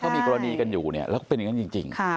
เขามีกรณีกันอยู่เนี่ยแล้วก็เป็นอย่างนั้นจริง